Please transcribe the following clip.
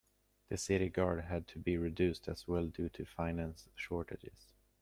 The city guard had to be reduced as well due to finance shortages.